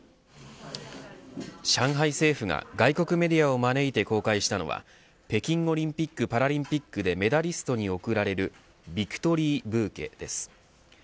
上海政府が外国メディアを招いて公開したのは北京オリンピックパラリンピックでメダリストに贈られるビクトリーブーケです。